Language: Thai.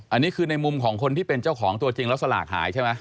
อันนี้คือในมุมของคนที่เป็นเจ้าของตัวจริงแล้วสลากหายใช่ไหม